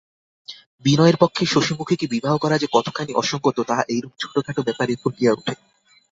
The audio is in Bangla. বিনয়ের পক্ষে শশিমুখীকে বিবাহ করা যে কতখানি অসংগত তাহা এইরূপ ছোটোখাটো ব্যাপারেই ফুটিয়া উঠে।